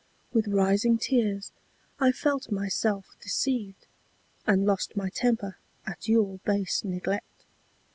With rising tears I felt myself deceived And lost my temper at your base neglect.